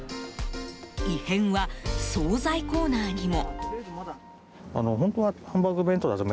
異変は、総菜コーナーにも。